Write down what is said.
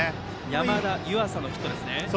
山田、湯浅のヒットですね。